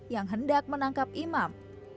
yang hendak menangkap imigran